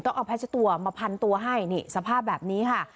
เอาพัชตัวมาพันตัวให้นี่สภาพแบบนี้ค่ะ